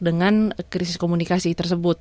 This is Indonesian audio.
dengan krisis komunikasi tersebut